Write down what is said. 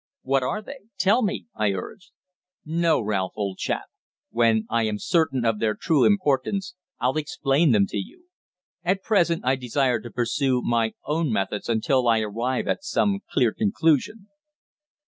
"What are they? Tell me," I urged. "No, Ralph, old chap. When I am certain of their true importance I'll explain them to you. At present I desire to pursue my own methods until I arrive at some clear conclusion."